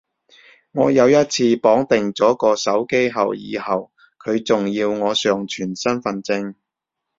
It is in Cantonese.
我有一次綁定咗個手機號以後，佢仲要我上傳身份證